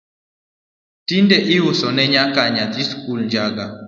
Tinde iusone nyaka nyithii sikul njaga